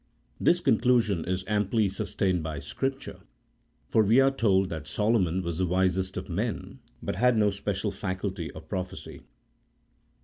This conclu sion is amply sustained by Scripture, for we are told that Solomon was the wisest of men, but had no special faculty of prophecy.